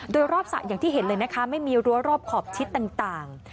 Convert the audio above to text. โดยรอบสระอย่างที่เห็นเลยนะคะไม่มีรั้วรอบขอบชิดต่าง